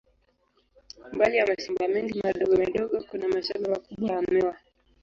Mbali ya mashamba mengi madogo madogo, kuna mashamba makubwa ya miwa.